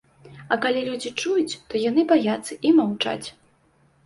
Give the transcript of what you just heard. А калі людзі чуюць, то яны баяцца і маўчаць.